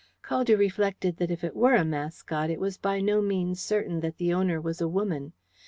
Caldew reflected that if it were a mascot it was by no means certain that the owner was a woman.